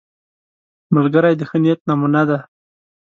ملګری د ښه نیت نمونه ده